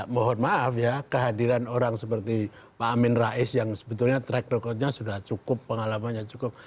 mohon maaf ya kehadiran orang seperti pak amin rais yang sebetulnya track recordnya sudah cukup pengalamannya cukup